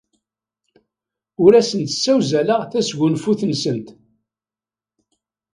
Ur asent-ssewzaleɣ tasgunfut-nsent.